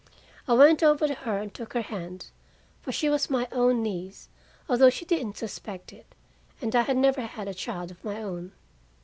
I went over to her and took her hand, for she was my own niece, although she didn't suspect it, and I had never had a child of my own.